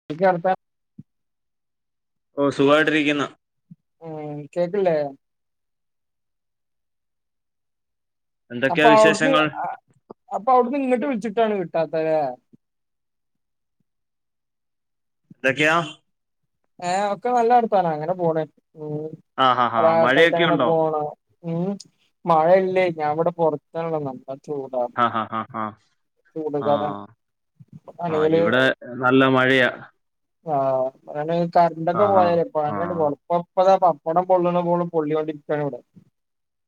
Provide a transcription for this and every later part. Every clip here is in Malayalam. [unintelligible] ഓഹ് സുഖായിട്ടിരിക്ക്ന്ന്. ഓഹ് കേക്കല്ലെ? എന്തൊക്കെയാ അപ്പൊ അവുട്ന്ന് വിശേഷങ്ങൾ അപ്പൊ അവുട്ന്ന് ഇങ്ങോട്ട് വിളിച്ചിട്ടാണ് കിട്ടാത്തല്ലെ? എന്തക്കെയാ? ഏഹ് ഒക്കെ നല്ല വർത്താനം അങ്ങനെ പൊന്ന് ഉം ആ ഹാ ഹാ റാഹത്തായിട്ട് മഴയൊക്കെ അങ്ങനെ ഉണ്ടോ പോന്ന്. ഉം മഴയില്ലേ ഞാൻ ഇവിടെ പുൊറത്ത ഉള്ളെ നല്ല ചൂടാ. ആഹ് ആഹ് ചൂട് കാലാണ് ആഹ് ആഹ് ആണെങ്കില് ഇവിടെ നല്ല മഴയ. ആഹ് ഞാന് ആ കറണ്ടൊക്കെ ഹാ പോയാല്. ആ പറയണ്ട [unintelligible] പപ്പടം പൊള്ളണ പോലെ പൊള്ളിയോണ്ടിരിക്കാണ് ഇവിടെ.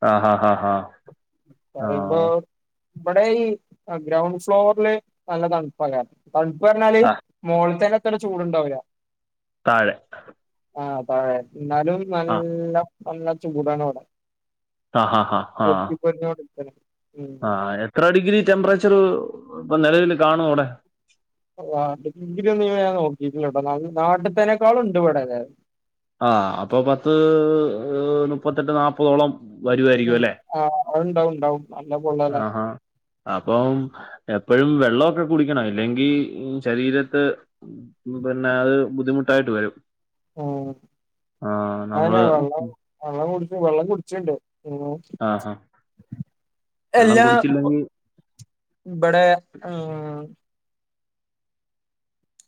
ആ ഹാ ഹാ ഹാ ആ പറിയുമ്പോ ഇവിടെ ഈ ഗ്രൗണ്ട് ഫ്ലോറില് നല്ല തണുപ്പാണ് തണുപ്പറഞ്ഞാല് ആ മോളീത്തെയത്രം ചൂടുണ്ടാവുല. താഴെ. ആഹ് താഴെ എന്നാലും ആ നല്ല നല്ല ചൂടാണ് അവിടെ. ആഹ് ഹാ ഹാ ഹാ. [unintelligible] ആഹ് എത്ര ഡിഗ്രി ടെമ്പറേച്ചറ് ഇപ്പൊ നിലവിൽ കാണും അവിടെ? ആഹ് ഡിഗ്രീ ഒന്നു ഞാൻ നോക്കിട്ടില്ല ട്ടോ നാട്ടീത്തേനെക്കാളും ഉണ്ട് ഇവിടെ അതായത്. ആഹ് അപ്പൊ പത്ത് നുപ്പത്തെട്ട് നാപ്പതോളം. ഉം ആഹ് ഉണ്ടാവും ഉണ്ടാവും നല്ല ആ പൊള്ളലാ ഹാ അപ്പം എപ്പോഴും വെള്ളൊക്കെ കുടിക്കണം ഇല്ലെങ്കിൽ ശരീരത്ത് പിന്നെ അത് ബുദ്ധിമുട്ടായിട്ട് വരും. ഉം ആഹ് നമ്മള് അയന്നെ വെള്ളം വെള്ളം കുടിക്ക് വെള്ളം കുടിച്ചിണ്ട്. ആഹാ. വെള്ളം എല്ലാ കുടിച്ചില്ലെങ്കി ഇബടെ ഉം.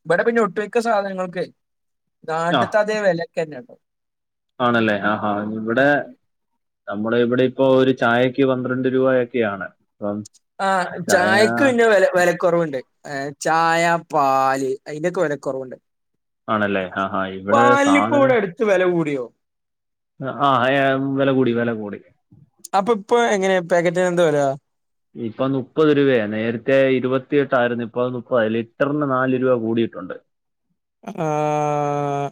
ഇബടെ പിന്നെ ഒട്ടുമിക്ക സാധനങ്ങൾക്കുവേ ആഹ് നാട്ടിത്തെ അതേ വിലയൊക്കെന്നാട്ടോ. ആണല്ലേ ആഹ് ആഹ് ഇവടെ നമ്മടെ ഇവിടെ ഇപ്പോ ഒരു ചായക്ക് പന്ത്രണ്ട് രൂപയൊക്കെയാണ്. അപ്പം ആഹ് ചായ ചായക്ക് പിന്നെ വില വെല കുറവുണ്ട് ചായ പാൽ അതിനൊക്കെ വെല കുറവുണ്ട്. ആണല്ലേ? ആഹാ ഇവിടെ പാലിനിപ്പൊ സാധനം ഇവിടെ അടുത്ത് വെല കൂടിയോ ആഹ് ഏഹ് വില കൂടി വില കൂടി. അപ്പൊ ഇപ്പൊ എങ്ങനെയ പാക്കറ്റിന് എന്താ വില ഇപ്പൊ മുപ്പത് രൂപയാ നേരത്തെ ഇരുപത്തിയെട്ടായിരുന്നു. ഇപ്പൊ അത് മുപ്പതായി ലിറ്ററിന് നാല് രൂപ കൂടിയിട്ടുണ്ട്. ആഹ്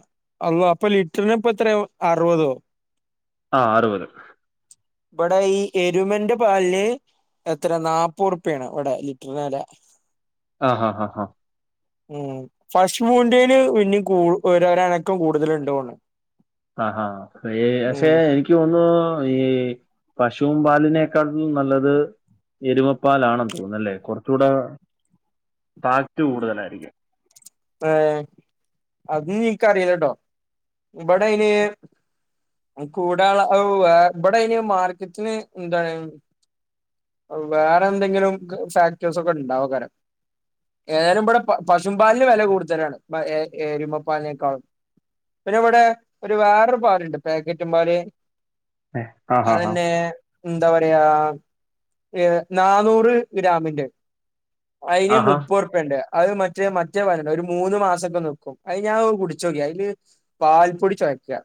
അള്ളാ അപ്പൊ ലിറ്ററിനിപ്പൊയെത്രയാ അറുപതോ? ആഹ് അറുപത് ഇബടെ ഈ എരുമേന്റെ പാലിന് എത്ര നാപ്പത്റുപ്യായാണ് ഇവിടെ ലിറ്ററിന് വെല ആഹ് ഹാ ഹാ ഹാ ഉം പശൂന്റേന് പിന്നെയും കൂ ഒരനക്കം കൂടുതൽ ഉണ്ടോണണ്. ആഹ് ഹാ ഹാ പക്ഷെ എനിക്ക് എനിക്ക് തോന്നുന്നു ഈ പശുവും പാലിനേക്കാറ്റിലും നല്ലത് എരുമപ്പാലാണെന്ന് തോന്നുന്നല്ലേ കുറച്ചുകൂടെ ഫാക്റ്റ് കൂടുതലായിരിക്കും. ഏഹ് അത് എനിക്കറിയില്ലാട്ടോ ഇബടയിന് കൂടാള്ള അവു ഇവിടെ അന് മാർക്കറ്റിന് എന്താണ് വേറെ എന്തെങ്കിലും ഫാക്ടേഴസ് ഒക്കെ ഉണ്ടാവോക്കാരം. ഏതായാലും ഇബടെ പശും പാലിന് വെല കൂടുതലാണ് എരുമപ്പാലിനേക്കാളും. പിന്നെ ഇവിടെ ഒരു വേറൊരു പാലുണ്ട് പാക്കറ്റും പാല് ഏ, ആ ഹാ ഹാ അതന്നെ എന്താ പറയാ നാന്നൂറ് ഗ്രാമിന്റെ അയിന് ആഹാ മുപ്പത് റുപ്യണ്ട് അത് മറ്റേ സത്യയപറയണെഒരു മൂന്ന് മാസക്കെ നിക്കും അത് ഞാൻ കുടിച്ചോക്കിയാ അതില് പാൽപ്പൊടി ചുയ്ക്ക.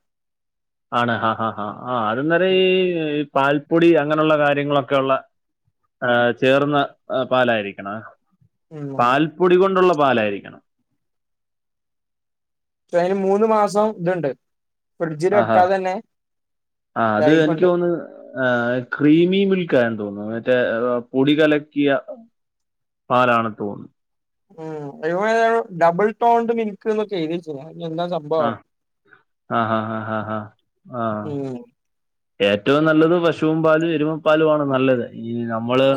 ആണ് ആഹ് ആഹ് ആഹ് അതന്നേരം ഈ പാൽപ്പൊടി അങ്ങനെയുള്ള കാര്യങ്ങളൊക്കെ ഉള്ള ആഹ് ചേർന്ന പാലായിരിക്കണം ഉം പാൽപ്പൊടി കൊണ്ടുള്ള പാലായിരിക്കണം. ഇപ്പൊ അതിന് മൂന്ന് മാസം ഇതുണ്ട്. ഫ്രിഡ്ജിൽ ആഹ് വെക്കാതെ തന്നെ ആ അത് എനിക്ക് ലൈഫുണ്ട് തോന്നു ആഹ് ക്രീമി മിൽക്ക് ആണെന്ന് തോന്നുന്നു മറ്റേ പൊടി കലക്കിയ പാലാണെന്ന്തോന്നു ഉം ആഹ് ഡബിൾ ടോണ്ട് മിൽക്ക് എന്നൊക്കെ എഴുതിച്ച്ക്ക്ണ് എന്താ സംഭ ആഹ് ആഹ് [unintelligible] ആഹ് ഉം ഏറ്റവും നല്ലത് പശുവും പാലും എരുമ പാലും ആണ് നല്ലത് ഈ നമ്മള്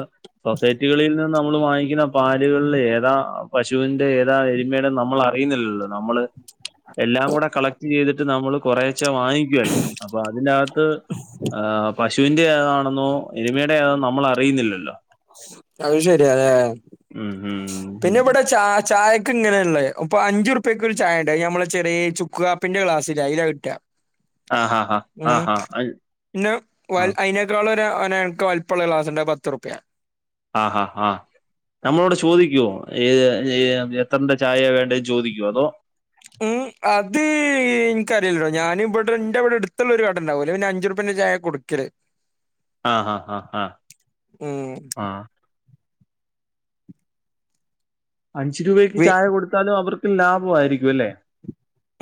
സൊസൈറ്റികളിൽ നിന്ന് നമ്മൾ വാങ്ങിക്കുന്ന പാലുകളിൽ ഏതാ പശുവിന്റെ ഏതാ എമയുടെ നമ്മൾ അറിയുന്നിലല്ലോ നമ്മള് എല്ലാം കൂടെ കളക്ട് ചെയ്തിട്ട് നമ്മൾ കുറെചേ വാങ്ങിക്കുവല്ലേ അപ്പൊ അതിന്റെകത്ത് ആഹ് പശുവിന്റെ ഏതാണെന്നോ എരുമയുടെ ഏതാണോ നമ്മൾ അറിയുന്നില്ലല്ലോ. അത് ശരിയല്ലെ. ഉം ഉം പിന്നെ ഉം. ഇവിടെ ച ചായക്ക ഇങ്ങനെയള്ളേ അഞ്ചുറുപ്പക്കൊ ഒരു ചായ ഉണ്ട് നമ്മളെ ചെറിയ ചു ക്ക് കാപ്പിന്റെ ക്ലാസ്സില്ലെ അയ്ല കിട്ടാ ആഹാ ഹാ ഉം ആഹാ അയ്- ഇന്ന വ ആ, അയിന ൾ എക്ക് വൽപ്പള്ള ഗ്ലാസ്ണ്ട് പത്ത്റുപ്യാണ്. ആഹ് ഹ ആഹ് നമ്മളോട് ചോദിക്കുവോ ഏ എത്രണ്ട ചായയ വേണ്ടെന്ന് ചോദിക്കോ അതോ ഉം [inaudible] അത് എനിക്കറിയില്ലോ ഞാന് ഇവിടെ എന്റെറെ ഇവിടെ എടുത്തുള്ള ഒരു കട ഉണ്ടാവല ഇന് അഞ്ചു രൂപേന്റെ ചായ കൊടുക്കല്. ആഹ് ഉം [unintelligible] അഞ്ച് രൂപയ്ക്ക് വി ചായ കൊടുത്താലും അവർക്ക് ലാഭമായിരിക്കും അല്ലേ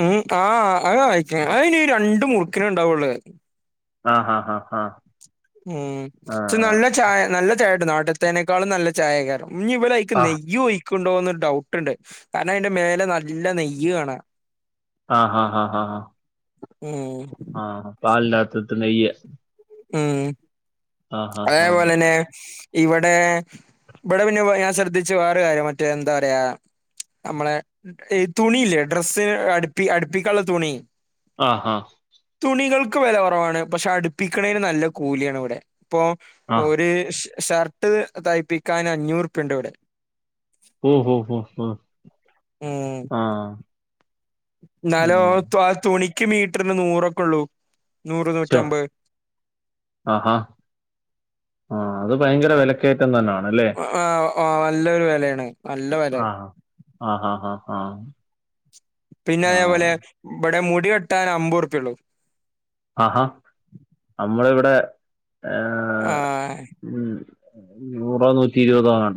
ഉം ആഹ് അഹ് വായിക്ക അഇനി രണ്ടു മുറുക്കിന ഇണ്ടാവുള്ളു ആഹ് [unintelligible] ഉം പക്ഷെ നല്ല ചായ നല്ല ചായട്ടു നാട്ടത്തേനേക്കാളും നല്ല ചായ കയറും ഇ ഇവ എക്ക് ആ നെയ്യ് ഒഴിക്കണ്ടോന്ന് ഡൗട്ടുണ്ട് കാരണം അതിന്റെ മേലെ നല്ല നെയ്യ് കാണാ ആഹ് [unintelligible] ഉം ആഹ് പാലിൻ്റാത്ത്ത്തെ നെയ് ഉം ഹാ അതേപോലെ തന്നെ ഇവിടെ ഇവിടെ പിന്നെ ഞാൻ ശ്രദ്ധിച്ച വേറെ കാര്യം മറ്റേ എന്താ പറയാ നമ്മളെ തുണിയില്ലേ ഡ്രസ്സിന് അടുപ്പി അടുപ്പിക്കാനുള്ള തുണി ആഹാ തുണികൾക്ക് വില കുറവാണ് പക്ഷെ അടുപ്പിക്കണേന് നല്ല കൂലിയാണ് ഇവിടെ ഇപ്പൊ ഹാ ആ ഒരു ഷർട്ട് തയ്പിക്കാൻ അഞ്ഞൂറിപ്യുണ്ട് ഇവിടെ ഓ ഓ ഹ ഹ ഹ ഉം ആഹ് എന്നാലോ ഉം. തുണിക്ക് മീറ്ററിന് നൂറൊക്കെ ഉള്ളൂ നൂറ് ശോ. നൂറ്റമ്പത് ആഹാ ആഹ് അത് ഭയങ്കര വിലക്കയറ്റം തന്നെയണല്ലേ ആഹ് നല്ലൊരു വിലയാണ് നല്ല വില ആഹ് ആഹ് ആഹ് ആഹ് ആഹ് പിന്നെ അതേപോലെ ഇവിടെ മുടി വെട്ടാൻ അമ്പത്റുപ്പ്യേള്ളു ആഹാ നമ്മളിവിടെ ഏ ആ ഉം നൂറോ നൂറ്റി ഇരുപതോന്നണ്ടോ